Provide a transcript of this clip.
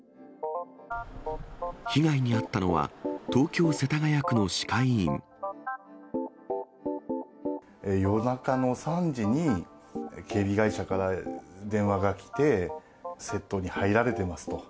被害に遭ったのは、東京・世田谷夜中の３時に、警備会社から電話が来て、窃盗に入られてますと。